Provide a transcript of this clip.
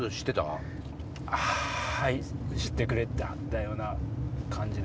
はい知ってくれてはったような感じでした。